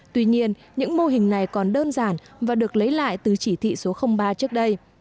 tuy nhiên những mô hình này còn đơn giản và được lấy lại từ chỉ thị số ba trước đây